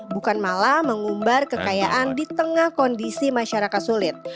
bukan malah mengumbar kekayaan di tengah kondisi masyarakat sulit